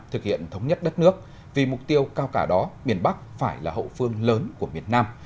thực hiện thống nhất đất nước vì mục tiêu cao cả đó miền bắc phải là hậu phương lớn của miền nam